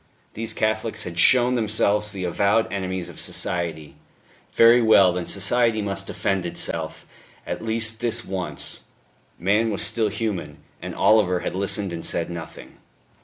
These Catholics had shown themselves the avowed enemies of society; very well, then society must defend itself, at least this once. Man was still human. And Oliver had listened and said nothing.